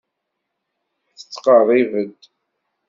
Tettqerribeḍ.